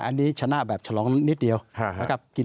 อันนี้ชนะแบบฉลองนิดเดียวนะครับ